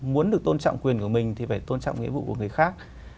muốn được tôn trọng quyền của mình thì phải tôn trọng nghĩa vụ của người khác